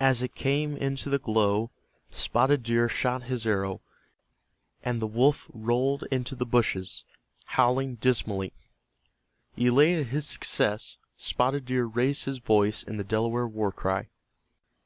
As it came into the glow Spotted Deer shot his arrow, and the wolf rolled into the hushes, howling dismally. Elated at his success, Spotted Deer raised his voice in the Delaware war cry.